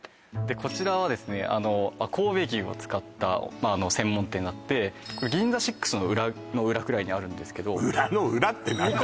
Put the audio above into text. こちらはですね神戸牛を使った専門店になってＧＩＮＺＡＳＩＸの裏の裏くらいにあるんですけど裏の裏って何だよ